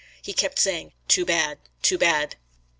He kept saying "Too bad! Too bad!"